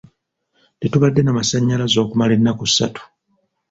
Tetubadde na masanyalaze okumala ennaku satu.